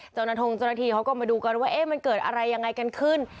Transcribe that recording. เจ้าหน้าที่เขาก็มาดูกันว่ามันเกิดอะไรยังไงกันขึ้น